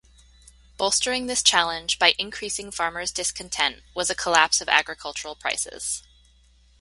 Bolstering this challenge by increasing farmers' discontent was a collapse of agricultural prices.